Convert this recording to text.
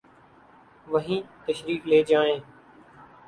وہی تشریف لے جائیں۔